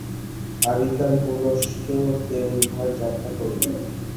আমি কাল পুনশ্চ দেউলধার যাত্রা করিব।